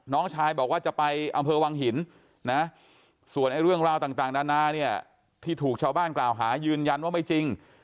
น้องชายบอกว่าจะไปอำเภอวังหินนะส่วนเรื่องราวต่างนานาเนี่ยที่ถูกชาวบ้านกล่าวหายืนยันว่าไม่จริง